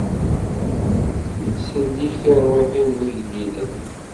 Ittsellik tirwiḥin n yigellilen.